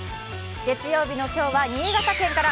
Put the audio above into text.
月曜日の今日は新潟県から。